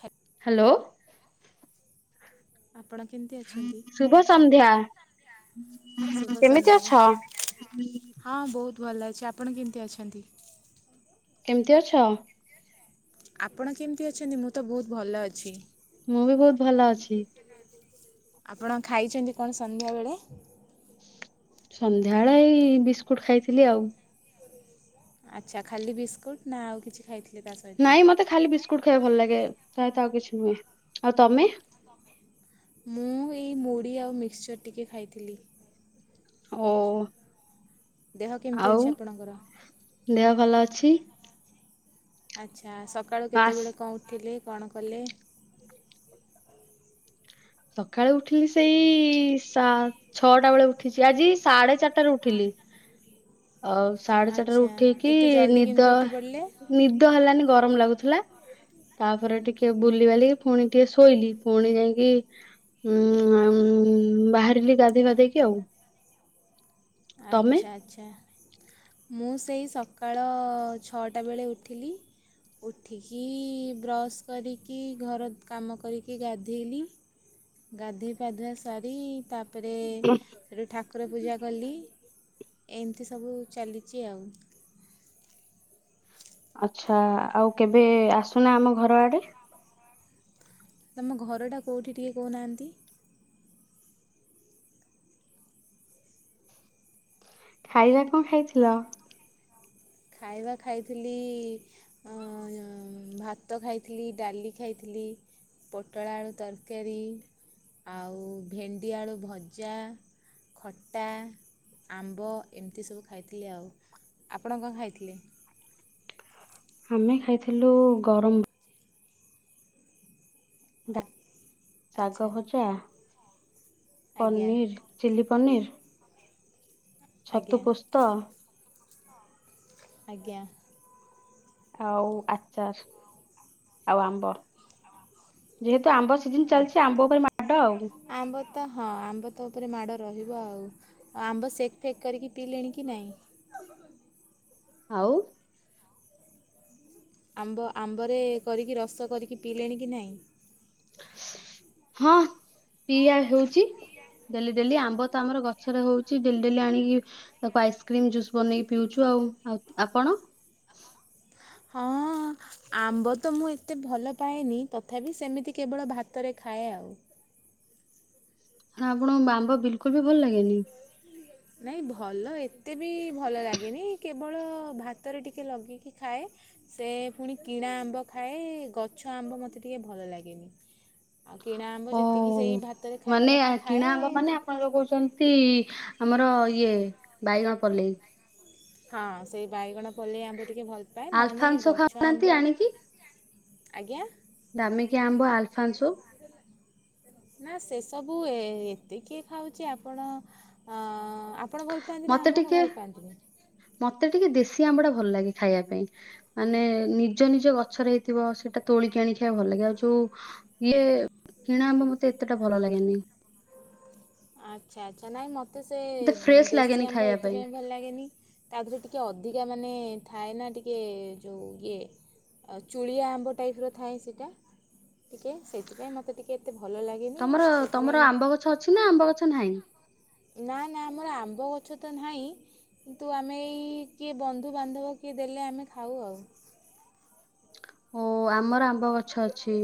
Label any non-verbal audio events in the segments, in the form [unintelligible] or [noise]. ହା ହାଲୋ। ଆପଣ କେମିତି ଅଛନ୍ତି? ଶୁଭ ସନ୍ଧ୍ୟା। ଶୁଭ କେମିତି ସନ୍ଧ୍ୟା। ଅଛ? ହଁ ବହୁତ୍ ଭଲ ଅଛି। ଆପଣ କେମିତି ଅଛନ୍ତି? କେମିତି ଅଛ? ଆପଣ କେମିତି ଅଛନ୍ତି? ମୁଁ ତ ବହୁତ୍ ଭଲ ଅଛି। ମୁଁ ବି ବହୁତ୍ ଭଲ ଅଛି। ଆପଣ ଖାଇଛନ୍ତି କଣ ସନ୍ଧ୍ୟାବେଳେ? ସନ୍ଧ୍ୟାବେଳେ ଏଇ ବିସ୍କୁଟ୍ ଖାଇଥିଲି ଆଉ। ଆଚ୍ଛା। ଖାଲି ବିସ୍କୁଟ୍ ନା ଆଉ କିଛି ଖାଇଥିଲେ ତା ସହିତ? ନାଇଁ ମତେ ଖାଲି ବିସ୍କୁଟ୍ ଖାଇବାକୁ ଭଲ ଲାଗେ। ପ୍ରାୟତଃ ଆଉ କିଛି ନୁହେଁ। ଆଉ ତମେ? ମୁଁ ଏଇ ମୁଢ଼ି ଆଉ ମିକ୍ସଚର୍ ଟିକେ ଖାଇଥିଲି। ଓ ଦେହ କେମିତି ଆଉ ଅଛି ଆପଣଙ୍କର? ଦେହ ଭଲ ଅଛି। ଆଚ୍ଛା। ସକାଳୁ ଆସ୍ କେତେବେଳେ କଣ ଉଠିଲେ କଣ କଲେ? ସକାଳେ ଉଠିଲି ସେଇ ସା ଛଅଟା ବେଳୁ ଉଠିଚି ଆଜି ସାଢେ ଚାରିଟାରୁ ଉଠିଲି। ଆଉ ସାଢେ ଚାରିଟାରୁ ଆଚ୍ଛା ଉଠିିକି ଏତେ ଜଲ୍ଦି କେମିତି ନିଦ ଉଠି ପଡ଼ିଲେ? ନିଦ ହେଲାନି ଗରମ ଲାଗୁଥିଲା। ତାପରେ ଟିକେ ବୁଲିିବାଲିକି ପୁଣି ଟିକେ ଶୋଇଲି। ପୁଣି ଯାଇକି ଉଁ ବାହାରିଲି ଗାଧୋଇ ପାଧେଇକି ଆଉ। ତମେ? ଆଚ୍ଛା ଆଚ୍ଛା। ମୁଁ ସେଇ ସକାଳ ଛଅଟା ବେଳେ ଉଠିଲି। ଉଠିକି ବ୍ରସ୍ କରିକି ଘର କାମ କରିକି ଗାଧେଇଲି। ଗାଧେଇ ପାଧୁଆ ଶାରୀ ତାପରେ ଠାକୁର ପୂଜା କଲି। ଏମତି ସବୁ ଚାଲିଚି ଆଉ। ଆଚ୍ଛା। ଆଉ କେବେ ଆସୁନା ଆମ ଘର ଆଡ଼େ। ତମ ଘରଟା କୋଉଠି ଟିକେ କହୁନାହାନ୍ତି? ଖାଇବା କଣ ଖାଇଥିଲ? ଖାଇବା ଖାଇଥିଲି ଅଁ ୟଁ ଭାତ ଖାଇଥିଲି ଡାଲି ଖାଇଥିଲି। ପୋଟଳ ଆଳୁ ତରକାରୀ ଆଉ ଭେଣ୍ଡି ଆଳୁ ଭଜା। ଖଟା ଆମ୍ବ ଏମିତି ସବୁ ଖାଇଥିଲି ଆଉ ଆପଣ କଁ ଖାଇଥିଲେ? ଆମେ ଖାଇଥିଲୁ ଗରମ ଡା ଆଚ୍ଛା ଶାଗ ଭଜା ଆଜ୍ଞା ପନିର ଚିଲ୍ଲି ପନିର ଛତୁ ଆଜ୍ଞା ପୋସ୍ତ ଆଜ୍ଞା। ଆଉ ଆଚାର ଆଉ ଆମ୍ବ ଯେହେତୁ ଆମ୍ବ ସି ଜିନ ଚାଲିଚି ଆମ୍ବ ଉପରେ ମାଡ଼ ଆଉ। ଆମ୍ବ ତ ହଁ ଆମ୍ବ ତ ଉପରେ ମାଡ଼ ରହିବ ଆଉ। ଆମ୍ବ ସେକ୍ ଫେକ୍ କରିକି ପିଇଲେଣି କି ନାଇଁ? ଆଉ? ଆମ୍ବ ଆମ୍ବରେ କରିକି ରସ କରିକି ପିଇଲେଣି କି ନାଇଁ? ହଁ ପିୟା ହଉଚି। ଡେଲି ଡେଲି ଆମ୍ବ ତ ଆମର ଗଛରେ ହଉଚି ଡେଲି ଡେଲି ଆଣିକି ତାକୁ ଆଇସ୍କ୍ରିମ ଜୁସ୍ ବନେଇକି ପିଉଚୁ ଆଉ ଆଉ ଆପଣ? ହଁ। ଆମ୍ବ ତ ମୁଁ ଏତେ ଭଲ ପାଏନି ତଥାପି ସେମିତି କେବଳ ଭାତରେ ଖାଏ ଆଉ। ହାଁ ଆପଣଙ୍କୁ ଆମ୍ବ ବିଲକୁଲ ବି ଭଲ ଲାଗେନି? [unintelligible] ନାଇଁ ଭଲ ଏତେ ବି ଭଲ ଲାଗେନି କେବଳ ଭାତରେ ଟିକେ ଲଗେଇକି ଖାଏ। ସେ ପୁଣି କିଣା ଆମ୍ବ ଖାଏ ଗଛ ଆମ୍ବ ମତେ ଟିକେ ଭଲ ଲାଗେନି। ଆଉ କିଣା ଆମ୍ବ ଯେତିକି ଓହୋ ସେଇ ଭାତରେ ଖାଇବା କଥା ଖାଏ ଆଉ। ଆମର କହୁଚନ୍ତି ଆମର ଇଏ ବାଇଗଣ ପଲ୍ଲେଇ ହଁ ସେଇ ବାଇଗଣ ପଲେଇ ଆମ୍ବ ଟିକେ ଭଲ ପାଏ ନହେଲେ ଆଲଫାନ୍ସୋ ଗଛ ଖାଉନାହାନ୍ତି ଆମ୍ବ ଆଜ୍ଞା। ଦାମୀ କିଆ ଆମ୍ବ ଆଲଫାନ୍ସୁ ନା ସେ ସବୁ ଏତେ କିିଏ ଖାଉଚି ଆପଣ ଅ ଆପଣ ଭଲ ପାଆନ୍ତି ନା ମତେ ଆମ୍ଭକୁ ଟିକେ ଭଲ ପାଆନ୍ତିନି? ମତେ ଟିକେ ଦେଶୀ ଆମ୍ବ ଟା ଭଲ ଲାଗେ ଖାଇବା ପାଇଁ। ମାନେ ନିଜ ନିଜ ଗଛରେ ହେଇଥିବ ସେଇଟା ତୋଳିକି ଆଣି ଖାଇବା ଭଲ ଲାଗେ ଆଉ ଯୋଉ ଇଏ କିଣା ଆମ୍ବ ମତେ ଏତେଟା ଭଲ ଲାଗେନି। ଆଚ୍ଛା ଆଚ୍ଛା ନାଇଁ ମ ତ ସେ ମତେ ଫ୍ରେଶ ଦେଶୀ ଲାଗେନି ଆମ୍ବ ଖାଇବା ପାଇଁ। ଏଇଥିପାଇଁ ଭଲ ଲାଗେନି ତା ଆଗରୁ ଟିକେ ଅଧିକା ମାନେ ଥାଏ ନା ଟିକେ ଯୋ ଇଏ ଆଉ ଚୁଳିଆ ଆମ୍ବ ଟାଇପ୍ ର ଥାଏ ସେଇଟା ଟିକେ ସେଇଥିପାଇଁ ମତେ ଟିକେ ଏତେ ଭଲ ଲା ତମର ତମର ଆମ୍ବ ଗଛ ଅଛି ନା ଆମ୍ବ ଗଛ ନାହିଁ? ନା ନା ଆମର ଆମ୍ବ ଗଛ ତ ନାହିଁ। କିନ୍ତୁ ଆମେ ଏଇ କିଏ ବନ୍ଧୁବାନ୍ଧବ କିଏ ଦେଲେ ଆମେ ଖାଉ ଆଉ। ଓ ଆମର ଆମ୍ବ ଗଛ ଅଛି।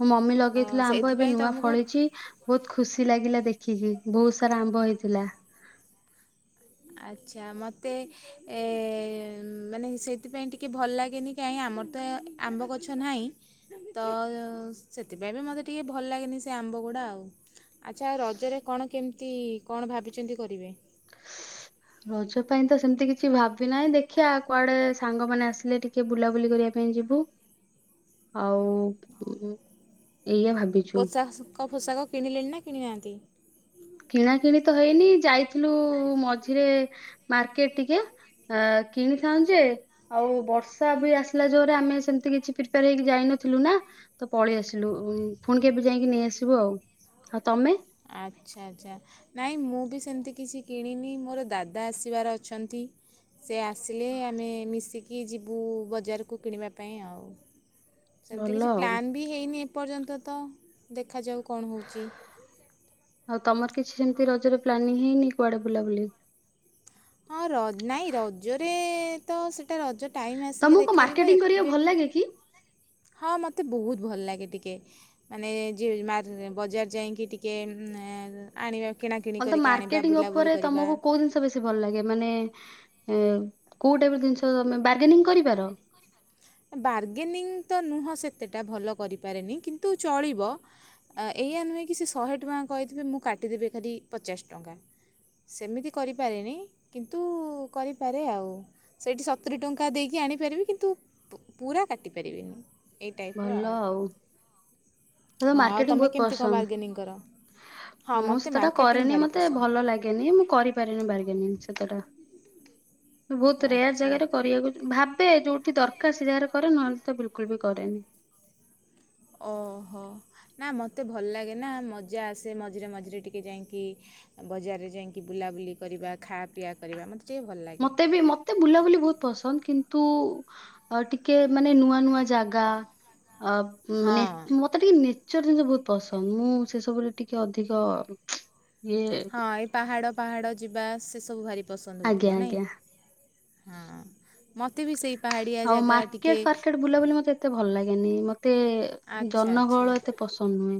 ମୋ ମମି ଅ, ଲଗେଇଥିଲା ଆମ୍ବ ଏବେ ସେଇଥିପାଇଁ ନୂଆ ତୁମକୁ ଫଳିଚି। ବହୁତ ଖୁସି ଲାଗିଲା ଦେଖିକି ବହୁତ ସାରା ଆମ୍ବ ହେଇଥିଲା। ଆଚ୍ଛା ମତେ ଏ, ଉଁ, ମାନେ ସେଇଥିପାଇଁ ଟିକେ ଭଲ ଲାଗେନି କାହିଁ ଆମର ତ ଆମ୍ବ ଗଛ ନାହିଁ। ତ ସେଥିପାଇଁ ବି ମୋତେ ଟିକେ ଭଲ ଲାଗେନି ସେ ଆମ୍ବ ଗୁଡା ଆଉ। ଆଚ୍ଛା, ରଜରେ କଣ କେମିତି କଣ ଭାବିଛନ୍ତି କରିବେ? ରଜ ପାଇଁ ତ ସେମତି କିଛି ଭାବି ନାହିଁ ଦେଖିଆ କୁଆଡେ ସାଙ୍ଗମାନେ ଆସିଲେ ଟିକ କେ ବୁଲାବୁଲି କରିବା ପାଇଁ ଯିବୁ। ଆଉ ଉଁ, ଏଇଆ ଭାବିଛୁ ପୋଷା କ ପୋଷାକ କିଣିଲେଣି ନା କିଣିନାହାନ୍ତି? କିଣା କିିଣି ତ ହେଇନି ଯାଇଥିଲୁ ମଝିରେ ମାର୍କେଟ୍ ଟିକେ। ଆ, କିଣିଥାଉଁ ଯେ ଆଉ ବର୍ଷା ବି ଆସିଲା ଜୋରେ ଆମେ ସେମତି କିଛି ପ୍ରିପିୟାର ହେଇକି ଯାଇନଥିଲୁ ନା। ତ ପଳେଇ ଆସିଲୁ ଉଁ, ପୁଣି କେବେ ଯାଇକି ନେଇଆସିବୁ ଆଉ। ଆଉ ତୋମେ? ଆଚ୍ଛା, ଆଚ୍ଛା। ନାଇଁ ମୁଁ ବି ସେମିତି କିଛି କିଣିନି ମୋର ଦାଦା ଆସିବାର ଅଛନ୍ତି। ସେ ଆସିଲେ ଆମେ ମିଶିକି ଯିବୁ ବଜାରକୁ କିଣିବା ପାଇଁ ଆଉ। ସେମିତି ଭଲ କିଛି ଆଉ ପ୍ଲାନ୍ ବି ହେଇନି ଏପର୍ଯ୍ୟନ୍ତ ତ ଦେଖାଯାଉ କଣ ହଉଚି। ଆଉ ତୋମର କିଛି ସେମିତି ରଜରେ ପ୍ଲାନିଂ ହେଇନି କୁଆଡେ ବୁଲାବୁଲି? ହଁ ର- ନାଇଁ ରଜରେ ତ ସେଟା ରଜ ଟାଇମ୍ ଆସିଲେ ତମକୁ ଦେଖାଯିବ ମାର୍କେଟିଂ କରିବାକୁ ଭଲ ଏବେଠୁ ଲାଗେ କି? ହଁ ମୋତେ ବହୁତ ଭଲ ଲାଗେ ଟିକେ। ମାନେ ଯେ ମାରେ ବଜାର ଯାଇକି ଟିକେ ଉଁ, ଏ ଆଣିବା କିଣାକିଣି ଭଲ କରିକି ଆଣିବା ବୁଲାବୁଲି କରିବା। ତ ବେଶି ଭଲ ଲାଗେ ମାନେ ଏ, କୋଉ ଟାଇପ୍ ର ଜିନିଷ ତୋମେ ବାର୍ଗେନିଂ କରିପାର? ହଁ ବାର୍ଗେନିଂ ତ ନୁହଁ ସେତେଟା ଭଲ କରିପାରେନି, କିନ୍ତୁ ଚଳିବ? ଅ, ଏଇଆା ନୁହେଁ କି ସେ ଶହେ ଟଙ୍କା କହିଥିବେ ମୁଁ କାଟିଦେବି ଖାଲି ପଚାଶ ଟଙ୍କା। ସେମିତି କରିପାରେନି କିନ୍ତୁ କରିପାରେ ଆଉ ସେଇଠି ସତୁରି ଟଙ୍କା ଦେଇ ଜାଣିପାରିବି କିନ୍ତୁ ପୁ-ପୁରା କାଟିପାରିବିନି ଏଇ ଟାଇପ୍ ର ଆଉ। ହେଲେ ହଁ ଆଉ ମାର୍କେଟିଂ ତୁମେ ବହୁତ କେମିତି କ'ଣ ବାର୍ଗେନିଂ କର ହଁ ପସନ୍ଦ। ମୁଁ ମୋତେ ସେତେଟା ମାର୍କେଟିଂ କରେନି ଭାରି ମୋତେ ପସନ୍ଦ ଭଲ ଲାଗେନି। ମୁଁ କରି ପାରେନି ବାର୍ଗେନିଙ୍ଗ ସେତେଟା। ବହୁତ ରେୟାର୍ ଆଚ୍ଛା ଜାଗରେ ଆଚ୍ଛା କରିବାକୁ ଭାବେ ଯୋଉଠି ଦରକାର ସେ ଜାଗାରେ କରେ ନହେଲେ ତ ବିଲକୁଲ ବି କରେନି। ଓହୋ। ନା ମୋତେ ଭଲ ଲାଗେ ନା ମଜା ଆସେ ମଝିରେ ମଝିରେ ଟିକେ ଯାଇକି ଅ, ବଜାରରେ ଯାଇକି ବୁଲାବୁଲି କରିବା ଖା ପିଆ କରିବା ମୋତେ ଟିକେ ଭଲ ଲାଗେ ମୋତେ ବି ମୋତେ ବୁଲାବୁଲି ବହୁତ ପସନ୍ଦ କିନ୍ତୁ ଅ, ଟିକେ ମାନେ ନୂଆ ନୂଆ ଜା ଗା ଅ, ହଁ ମାନେ ମୋ ତେ ଟିକେ ନେଚର୍ ଜିନିଷ ବହୁତ ପସନ୍ଦ ମୁଁ ସେସବୁରେ ଟିକେ ଅଧିକ ଇଏ ହଁ ଏଇ ପାହାଡ଼ ପାହାଡ଼ ଯିବା ସେସବୁ ଭାରି ପସନ୍ଦ ଆଜ୍ଞା ହଉଥିବ ନାଇଁ? ଆଜ୍ଞା ହଁ ମୋତେ ବି ସେଇ ପାହାଡ଼ିଆ ଆଉ ଜାଗା ମାର୍କେଟ ଟିକେ ଫାର୍କେଟ ବୁଲାବୁଲି ମୋତେ ଏତେ ଭଲ ଲାଗେନି ମୋତେ ଆଚ୍ଛା ଆଚ୍ଛା ଜନଗହଳ ଏତେ ପସ ସନ୍ ନୁହେଁ।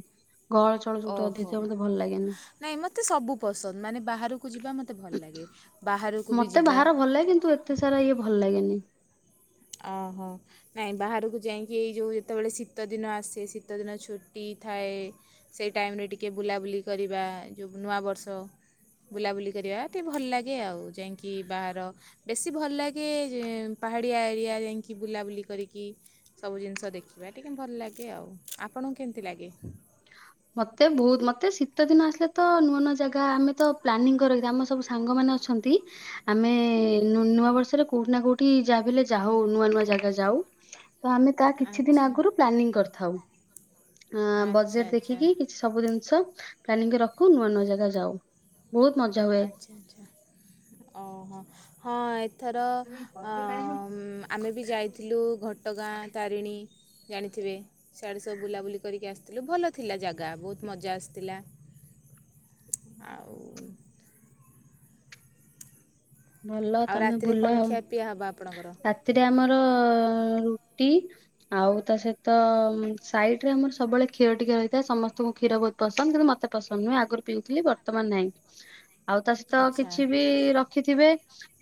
ଗହଳ ଚହଳ ଯୋଉଠି ଅଧିକ ଓହୋ ଥିବ ମୋତେ ଭଲ ଲାଗେନି। ନାଇଁ ମୋତେ ସବୁ ପସନ୍ଦ। ମାନେ ବାହାରକୁ ଯିବା ମୋତେ ଭଲ ଲାଗେ। ବାହାରକୁ ବି ଯିବା। ତେ ସାରା ଇଏ ଭଲ ଲାଗେନି। ଓହୋ। ନାଇଁ ବାହାରକୁ ଯାଇଁକି ଏଇ ଯୋଉ ଯେତେବେଳେ ଶୀତଦିନ ଆସେ ଶୀତଦିନ ଛୁଟି ଥାଏ। ସେଇ ଟାଇମ୍ ରେ ଟିକେ ବୁଲାବୁଲି କରିବା ଯୋଉ ନୂଆବର୍ଷ। ବୁଲାବୁଲି କରିବା ଟିକେ ଭଲ ଲାଗେ ଆଉ। ଯାଇଁକି ବାହାର ବେଶୀ ଭଲ ଲାଗେ ଯେ ପାହାଡିଆ ଏରିଆ ଯାଇଁକି ବୁଲାବୁଲି କରିକି ସବୁ ଜିନ୍ଷ ଦେଖିବା ଟିକେ ଭଲ୍ ଲାଗେ ଆଉ ଆପଣଙ୍କୁ କେମ୍ତି ଲାଗେ? ମତେ ଭୋଉତ୍ ମତେ ଶୀତ ଦିନ ଆସିଲେ ତ ନୂଆ ନୂଆ ଜାଗା ଆମେ ତ ପ୍ଲାନିଂ କରି ରଖିଥାଉ ଆମର ସବୁ ସାଙ୍ଗ ମାନେ ଅ ଛନ୍ତି ଆମେ ନୂ ନୂଆ ବର୍ଷରେ କୋଉଠି ନା କୋଉଠି ଯାଆବି ହେଲେ ଯାହୁ ନୂଆ ନୂଆ ଜାଗା ଯାଉ। ତ ଆମେ ତା କିଛି ଦିନ୍ ଆଚ୍ଛା ଆଗୁରୁ ପ୍ଲାନିଂ କରିଥାଉ ଆଁ ଆଚ୍ଛା ବଜେଟ୍ ଦେ ଆଚ୍ଛା ସବୁ ଜିନ୍ଷ ପ୍ଲାନିଂ କରି ରଖୁ ନୂଆ ନୂଆ ଜାଗା ଯାଉ। ଭୋଉତ୍ ମଜା। ହୁଏ। ଆଚ୍ଛା ଆଚ୍ଛା ଓଁ ହଁ। ଏଥର ଅଁ ମ୍ ଆମେ ବି ଯାଇଥିଲୁ ଘଟଗାଁ ତାରିଣୀ। ଜାଣିଥିବେ ସିଆଡେ ସବୁ ବୁଲାବୁଲି କରିକି ଆସିଥିଲୁ ଭଲ ଥିଲା ଜାଗା ବୋହୁତ୍ ମଜା ଆସିଥିଲା। ଆଉମ୍ ଭଲ ଆଉ ତମେ ରାତିରେ ବୁଲ କ'ଣ ଆଉ ଖିଆପିଆ ହେବ ଆପଣଙ୍କର ରାତିରେ ଆମର ରୁଟି ଆଉ ତା ସହିତ ଉମ୍ ସାଇଟ୍ ରେ ଆମର ସବୁବେଳେ କ୍ଷୀର ଟିକେ ରହିଥାଏ ସମସ୍ତୁଙ୍କୁ କ୍ଷୀର ଭୋଉତ୍ ପସନ୍ଦ କିନ୍ତୁ ମତେ ପସନ୍ଦ ନୁହେ ଆଗରୁ ପିଉଥିଲି ବର୍ତ୍ତମାନ୍ ନ୍ହାଇଁ। ଆଜ୍ଞା। ଆଉ ତା ସଇତ କିଛି ବି ର ଖିଥିବେ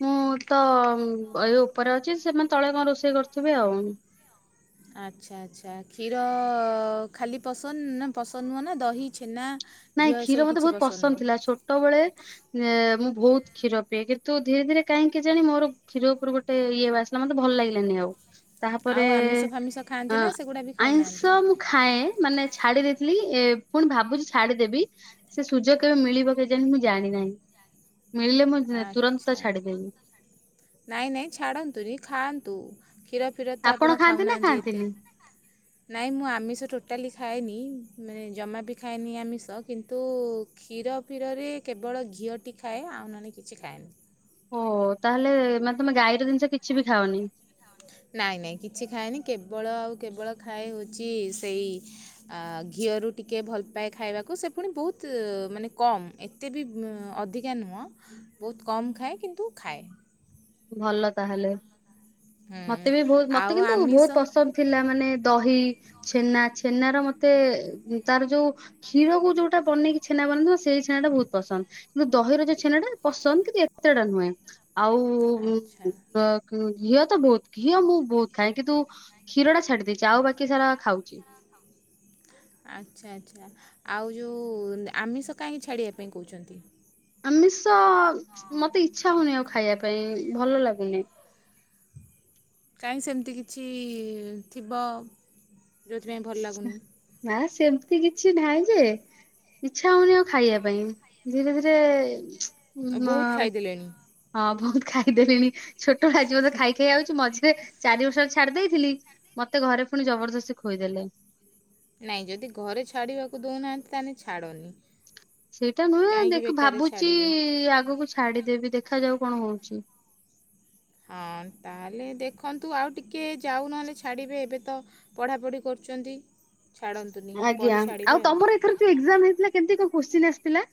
ମୁଁ ତ ଉଁ ଏଇ ଉପରେ ଅଛି ସେମାନେ ତଳେ କଁ ରୋଷେଇ କରୁଥିବେ ଆଉ। ଆଚ୍ଛା ଆଚ୍ଛା କ୍ଷୀର ଖାଲି ପସନ୍ଦ ନା ପସନ୍ଦ ନୁହଁ ନା ଦହି ଛେନା ନାଇଁ ଘିଅ ଏସବୁ କ୍ଷୀର ମତେ କିଛି ଭୋଉତ୍ ପସନ୍ଦ ନୁହଁ ଥିଲା ଛୋଟବଳେ ନେ ମୁଁ ଭୋଉତ୍ କ୍ଷୀର ପିଏ କିନ୍ତୁ ଧୀରେ ଧୀରେ କାହିଁକି କେଜାଣି ମୋର କ୍ଷୀର ଓପୁରୁ ଗୋ ମତେ ଇଏ ବାସିଲା ମତେ ତ ଭଲ୍ ଲାଗିଲାନି ଆଉ। ତାହାପରେ ଆଉ ଆମିଷ ଫାମିଷ ଅ ଖାଆନ୍ତି ନା ସେଗୁଡ଼ା ବି ଖାଉନାହାନ୍ତି ଆଇଁଷ ମୁଁ ଖା ଖାଏ ମାନେ ଛାଡି ଦେଇଥିଲି ଏ ପୁଣି ଭାବୁଛି ଛାଡିଦେବି ସେ ସୁଯୋଗ କେବେ ମିଳିବ କେଜାଣି ମୁଁ ଜାଣିନାହିଁ। ମିଳିଲେ ମୁଁ ଜୁ ତୁରନ୍ତ ଆଚ୍ଛା ଛାଡିଦେବି। ନାଇଁ ନାଇଁ ଛାଡ଼ନ୍ତୁନି ଖାଆନ୍ତୁ। କ୍ଷୀର ଫୀର ତ ଆପଣ ଖାଆନ୍ତି ନା ଖାଉନାହାନ୍ତି ଏତେ? ଖାଆନ୍ତିନି? ନାଇଁ ମୁଁ ଆମିଷ ଟୋଟାଲି ଖାଏନି ମାନେ ଜମା ବି ଖାଏନି ଆମିଷ କିନ୍ତୁ କ୍ଷୀର ଫୀରରେ କେବଳ ଘିଅଟି ଖାଏ ଆଉ ନନେ କିଛି ଖାଏନି। ଓ ତାହେଲେ ମାନେ ତମେ ଗାଈର ଜିନିଷ କିଛି ବି ଖାଅନି? ନାଇଁ ନାଇଁ କିଛି ଖାଏନି କେବଳ ଆଉ କେବଳ ଖାଏ ହୋଉଛି ସେଇ ଆ ଘିଅରୁ ଟିକେ ଭଲ ପାଏ ଖାଇବାକୁ ସେ ଫୁଣି ବୋହୁତ୍ ମାନେ କମ୍ ଏ ଏତେ ବୁଁ ଅଧିକା ନୁହଁ ବୋଉତ୍ କମ୍ ଖାଏ କିନ୍ତୁ ଖାଏ। ଭଲ ତାହେଲେ ହୁଁ, ମତେ ବି ଭୋହୁତ୍ ମତେ ଆଉ କିନ୍ତୁ ଆମିଷ ଭୋଉତ୍ ପସନ୍ଦ। ଥିଲା ମାନେ ଦହି ଛେନା ଛେନା ର ମତେ ତାର ଯୋଉ କ୍ଷୀରକୁ ଯୋଉଟା ବନେଇକି ଛେନା ବନାହେଇଥିବ ସେଇ ଛେନାଟା ଭୋଉତ୍ ପସନ୍ଦ। କିନ୍ତୁ ଦହିର ଯୋଉ ଛେନଟା ପସନ୍ଦ କିନ୍ତୁ ଏତେଟା ହ୍ନୁ ଏଁ ଆଉ [inaudible] ଆଚ୍ଛା ଘିଅ ତ ବୋଉତ୍ ଘିଅ ମୁଁ ବୋଉତ୍ ଖାଏ କିନ୍ତୁ କ୍ଷୀରଟା ଛାଡି ଦେଇଛି ଆଉ ବାକି ବାକି ସାରା ଖାଉଚି। ଆଚ୍ଛା ଆଚ୍ଛା ଆଉ ଯୋଉ ଆମିଷ କାହିଁକି ଛାଡ଼ିବା ପାଇଁ କୋଉଚନ୍ତି? ଆମିଷ ମତେ ଇଚ୍ଛା ହୋଉନେଇଁ ଆଉ ଖାଇଆ ପାଇଁ ଭଲ ଲାଗୁନେଇଁ। କାହିଁକି ସେମ୍ତି କିଛି ଥିବ? ଯେଉଁଥିପାଇଁ ଭଲ ଲାଗୁନି ନା ସେମତି କିଛି ହ୍ନାଇଁ ଯେ ଇଚ୍ଛା ହୋଉନେଇଁ ଆଉ ଖାଇଆ ପାଇଁ। ଧୀରେ ଧୀରେ ନୂଆମ୍ ପ୍ଲେନ୍। ହଁ ବହୁତ ଖାଇଦେଲେଣି ଛୋଟବେ‍ଆ ଯିବ ତ ଖାଇ ଖାଇ ଆାଉଛି ମଝିରେ ଚାରି ବର୍ଷ ଛାଡି ଦେଇଥିଲି ମତେ ଘରେ ପୁଣି ଜବରଦସ୍ତି ଖୋଇ ଦେଲେ ନାଇଁ ଯଦି ଘରେ ଛାଡିବାକୁ ଦଉନାହାନ୍ତି ତାହେଲେ ଛାଡ଼ନି ସେଇଟା ନୁହେଁ କାହିଁକି ଦେଖ ବେକାରରେ ଭାବୁଛି ଛାଡ଼ିବେ ଆଗକୁ ଛାଡିଦେବି ଦେଖ ଯାଉ କଣ ହଉଛି? ହଁ ତାହେଲେ ଦେଖନ୍ତୁ ଆଉ ଟିକେ ଯାଉ ନହେଲେ ଛାଡ଼ିବେ ଏବେ ତ ପଢ଼ାପଢ଼ି କରୁଛନ୍ତି ଛାଡ଼ନ୍ତୁନି ଆଜ୍ଞା ପରେ ଛାଡ଼ିବେ ଆଉ ତମର ଏଥର ଏକ୍ଜାମ ହେଇଥିଲା କେମତି କଣ କୋଶ୍ଚିନ୍ ଆସିଥିଲା?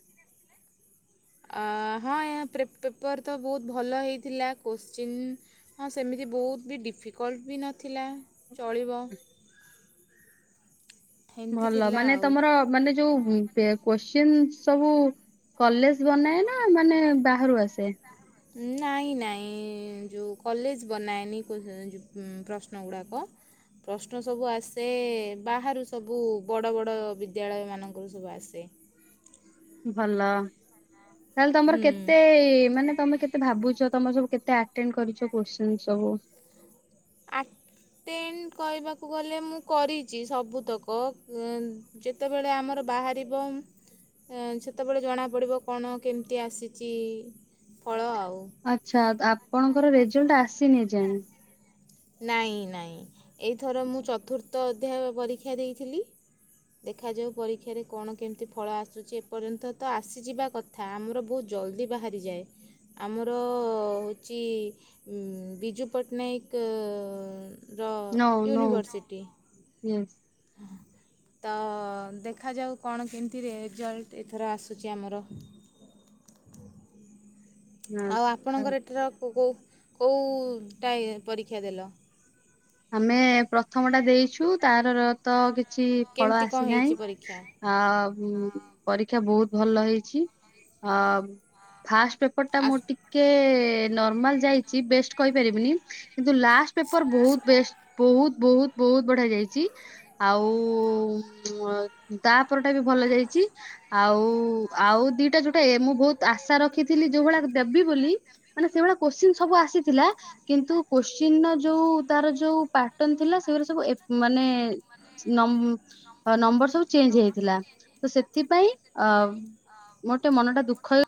ହଁ ପେପର୍ ତ ବହୁତ ଭଲ ହେଇଥିଲା କୋଶ୍ଚିନ୍ ହଁ ସେମିତି ବହୁତ ବି ଡିଫିକଲ୍ଟ ବି ନଥିଲା ଚଳିବ ହେମିତି ଭଲ ଥିଲା ମାନେ ଆଉ। ତମର ମାନେ ଯୋଉ କ୍ୱସିସନ ସବୁ କଲେଜ ବନାଏ ନା ମାନେ ବାହାରୁ ଆସେ? ନାଇଁ ନାଇଁ ଯୋଉ କଲେଜ ବନାଏନି ପ୍ରଶ୍ନ ଗୁଡ଼ାକ ପ୍ରଶ୍ନ ସବୁ ଆସେ ବାହାରୁ ସବୁ ବଡ଼ ବଡ଼ ବିଦ୍ୟାଳୟ ମାନାନଙ୍କର ସବୁ ଆସେ ଭଲ ତାହେଲେ ତମର ହୁଁ କେତେ ମାନେ ତମେ କେତେ କେତେ ଭାବୁଛ ତମ ସବୁ କେତେ ଆଟେଣ୍ଡ କରିଛ କ୍ୱସିନ ସବୁ? ଆଟେଣ୍ଟ କହିବାକୁ ଗଲେ ମୁଁ କରିଛି ସବୁତକ ଯେତେବେଳେ ଆମର ବାହାରିବ ସେତେବେଳେ ଜଣାପଡ଼ିବ କଣ କେମିତି ଆସିଛି ଫଳ ଆଉ ଆଚ୍ଛା ଆପଣଙ୍କର ରେଜଲ୍ଟ ଆସିନି ଏ ଯାଇ? ନାଇଁ ନାଇଁ ଏଇଥର ମୁଁ ଚତୁର୍ଥ ଅଧ୍ୟାୟ ପରୀକ୍ଷା ଦେଇଥିଲି ଦେଖାଯାଉ ପରୀକ୍ଷାରେ କଣ କେମିତି ଫଳ ଆସୁଛି ଏପର୍ଯ୍ୟନ୍ତ ତ ଆସିଯିବା କଥା କଥା ଆମର ବହୁତ ଜଲ୍ଦି ବାହାରିଯାଏ ଆମର ହେଉଛି ବିଜୁ ପଟ୍ଟନାୟକ ର ୟୁନିଭର୍ସିଟି ହୁ। ହୁଁ। ତ ଦେଖାଯାଉ କଣ କେମିତି ରେଜଲ୍ଟ ଏଥର ଆସୁଛି ଆମର ନା ଆଉ ଆପଣଙ୍କର ଏଠାର କୋଉ କୋଉଟା ପରୀକ୍ଷା ଦେଲ? ଆମେ ପ୍ରଥମ ଟା ଦେଇଛୁ ତାର ତ କିଛି ଫଳ କେମିତି କଣ ଆସିନାହିଁ ହେଇଛି ପରୀକ୍ଷା ଆ ପରୀକ୍ଷା ବହୁତ ଭଲ ହେଇଛି ଅ ଫାଷ୍ଟ ପେପର ଟା ମୋର ଆସ ଟିକ ନର୍ମାଲ ଯାଇଛି ବେଷ୍ଟ କହିପାରିବିନି କିନ୍ତୁ ଲାଷ୍ଟ ପେପର ବହୁତ ବେଷ୍ଟ ବହୁତ ବହୁତ ବହୁତ ବଢିଆ ଯାଇଛି ଆଉ ତାପର ଟା ବି ଭଲ ଯାଇଛି ଆଉ ଆଉ ଦିଟା ଯୋଉଟା ଏ ମୁଁ ବହୁତ ଆଶା ରଖିଥିଲି ଯୋଉ ଭଳିଆ ଦେବି ବୋଲି ମାନେ ସେଇଭଳିଆ କୋଶ୍ଚିନ ସବୁ ଆସି ଥିଲା କିନ୍ତୁ କୋଶ୍ଚିନ ଟା ଯଉ ତାର ଯୋଉ ପାଟନ ଥିଲା ସେଗୁରା ସବୁ ମାନେ ନମ୍ବର ସବୁ ଚେଞ୍ଜ ହେଇକିଥିଲା ତ ସେଥିପାଇଁ ଅ ମୋତେ ଟିକେ ମନ ଟା ଦୁଖ